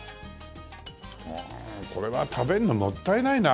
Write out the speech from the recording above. ああこれは食べるのもったいないな。